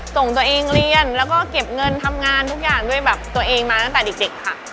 ส่งตัวเองเรียนแล้วก็เก็บเงินทำงานทุกอย่างด้วยแบบตัวเองมาตั้งแต่เด็กค่ะ